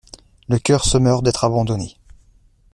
Le cœur se meurt d’être abandonné.